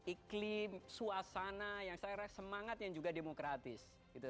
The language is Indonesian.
iklim suasana semangat yang juga demokratis